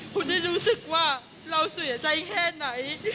คุณได้รู้สึกว่าเราเสียใจแค่ไหน